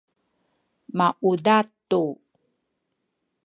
maudad tu